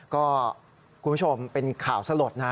ก็คุณผู้ชมเป็นข่าวสลดนะ